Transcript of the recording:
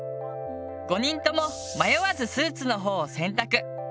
５人とも迷わずスーツのほうを選択。